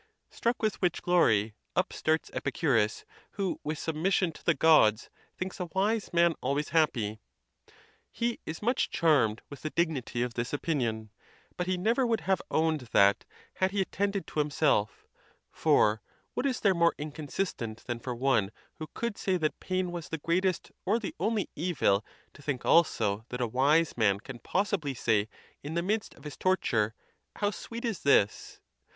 Struck with which glory, up starts Epicurus, who, with submission to the Gods, thinks a wise man always happy. He is much charmed with the dignity of this opinion, but he never would have owned that, had he attended to himself; for what is there more inconsistent than for one who could say that pain was the greatest or the only evil to think also that a wise man can possibly say in the midst of his torture, How sweet is this!